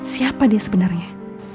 siapa dia sebenarnya